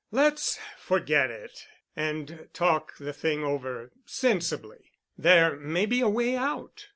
Let's forget it and talk the thing over sensibly. There may be a way out.